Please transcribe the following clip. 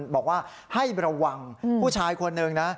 บอกว่าให้ระวังผู้ชายคนหนึ่งนะ